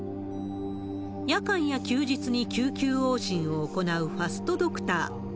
夜間や休日に救急往診を行うファストドクター。